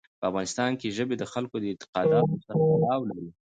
په افغانستان کې ژبې د خلکو د اعتقاداتو سره تړاو لري.